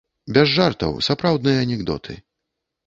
Без жартаў, сапраўдныя анекдоты.